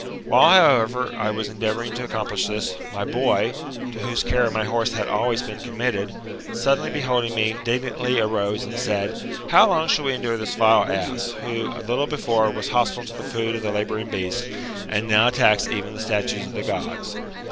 While, however, I was endeavouring to accomplish this, my boy, to whose care my horse had always been committed, suddenly beholding me, indignantly arose and said, How long shall we endure this vile ass, who, a little before, was hostile to the food of the labouring beasts, and now attacks even the statues of the Gods?